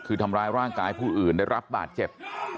คือทำร้ายร่างกายผู้อื่นได้รับบาดเจ็บ